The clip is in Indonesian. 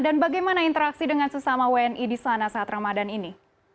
dan bagaimana interaksi dengan sesama wni di sana saat ramadhan ini